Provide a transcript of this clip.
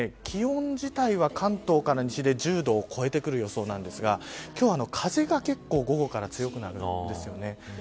気温自体は、関東から西で１０度を超えてくる予想なんですが今日は風が結構午後から強くなるんですね。